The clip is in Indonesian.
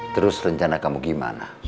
terus rencana kamu gimana